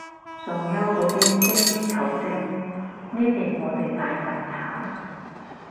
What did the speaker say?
崇優嗰邊精益求精，呢邊我哋大雜炒